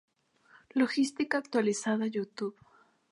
Logística actualizada-YouTube